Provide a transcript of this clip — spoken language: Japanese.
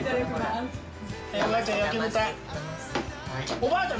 おばあちゃん。